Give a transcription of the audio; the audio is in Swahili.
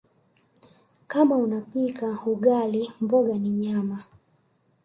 Kama unapika ugali mboga ni nyama